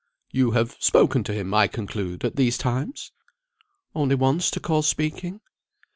"You have spoken to him, I conclude, at these times." "Only once to call speaking."